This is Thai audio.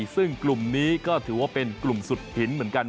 ซึ่งกลุ่มนี้ก็ถือว่าเป็นกลุ่มสุดหินเหมือนกัน